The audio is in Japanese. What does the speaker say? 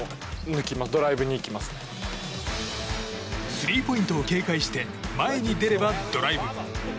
スリーポイントを警戒して前に出ればドライブ。